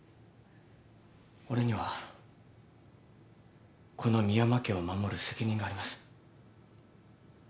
俺にはこの深山家を守る責任があります。